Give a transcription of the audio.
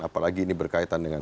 apalagi ini berkaitan dengan